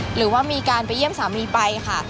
หรือว่ามีการไปเยี่ยมสามีไปค่ะ